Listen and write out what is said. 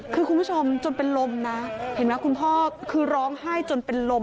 คือคุณผู้ชมจนเป็นลมนะเห็นไหมคุณพ่อคือร้องไห้จนเป็นลม